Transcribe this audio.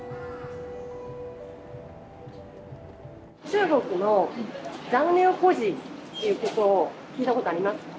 中国の残留孤児っていうことを聞いたことありますか？